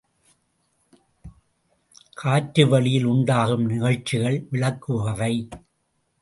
காற்றுவெளியில் உண்டாகும் நிகழ்ச்சிகளை விளக்குபவை.